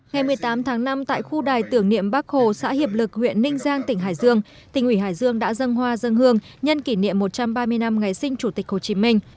ngày một mươi tám tháng năm tại khu đài tưởng niệm bắc hồ xã hiệp lực huyện ninh giang tỉnh hải dương tỉnh ủy hải dương đã dân hoa dân hương nhân kỷ niệm một trăm ba mươi năm ngày sinh chủ tịch hồ chí minh